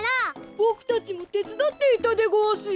ボクたちもてつだっていたでごわすよ。